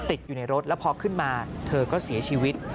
ติดอยู่ในรถแล้วพอขึ้นมาเธอก็เสียชีวิต